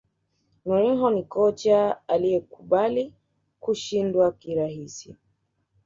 mourinho ni kocha asiyekubali kushindwa kirahisi